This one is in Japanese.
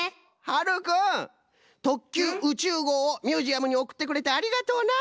はるくん「特急宇宙号」をミュージアムにおくってくれてありがとうな。